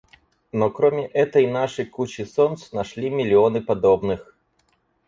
Но кроме этой наши кучи солнц нашли миллионы подобных.